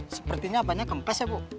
sepertinya apanya kempes ya bu